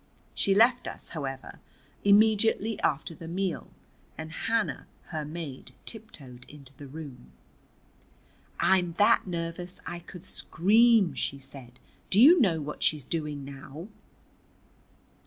She left us, however, immediately after the meal, and Hannah, her maid, tiptoed into the room. "I'm that nervous I could scream," she said. "Do you know what she's doing now?